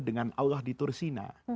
dengan allah di tursina